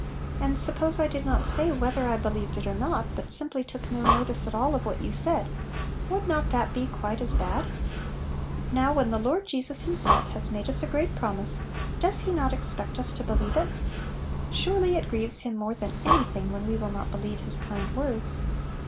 And suppose I did not say whether I believed it or not, but sim ply took no notice at all of what you said, would not that be quite as bad ? Now when the Lord Jesus Himself has made us a great promise, does He not expect us to believe it ? Surely it grieves Him more than any thing when we will not believe His kind words.